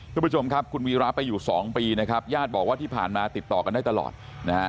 คุณผู้ชมครับคุณวีระไปอยู่สองปีนะครับญาติบอกว่าที่ผ่านมาติดต่อกันได้ตลอดนะฮะ